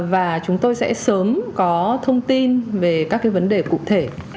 và chúng tôi sẽ sớm có thông tin về các cái vấn đề cụ thể